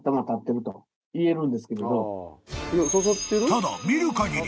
［ただ見るかぎり］